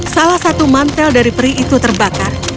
salah satu mantel dari peri itu terbakar